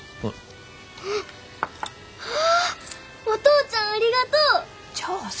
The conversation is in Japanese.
お父ちゃんありがとう！